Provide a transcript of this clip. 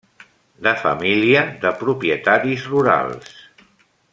De família de propietaris rurals.